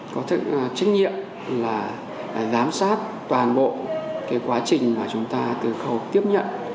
có chức nhiệm là giám sát toàn bộ quá trình mà chúng ta từ khẩu tiếp nhận